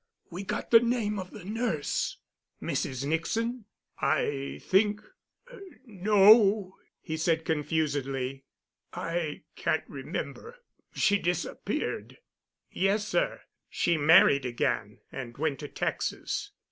We got the name of the nurse." "Mrs. Nixon?" "I think—no," he said confusedly. "I can't remember—she disappeared——" "Yes, sir. She married again and went to Texas.